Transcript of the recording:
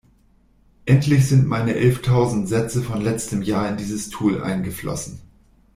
Endlich sind meine elftausend Sätze von letztem Jahr in dieses Tool eingeflossen.